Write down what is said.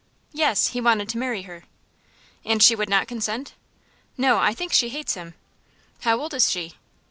"Yes; he wanted to marry her." "And she would not consent?" "No; I think she hates him." "How old is she?"